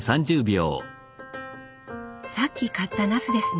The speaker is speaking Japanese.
さっき買ったなすですね。